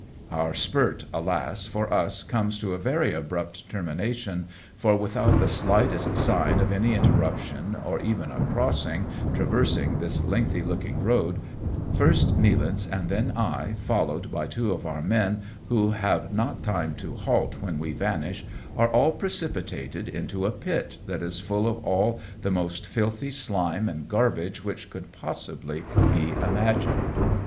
Our spurt, alas ! for us, comes to a very abrupt termination, for without the slightest sign of any interruption^ or even a crossing, traversing this lengthy looking road ; first Nealance, then I, followed by two of our men, who have not time to halt when we vanish, are all precipitated into a pit that is full of all the most filthy slime and garbage which could possibly be imagined.